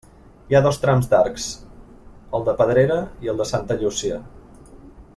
Hi ha dos trams d'arcs, el de la Pedrera i el de Santa Llúcia.